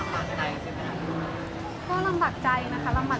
มินก็ลังบากใจนะคะ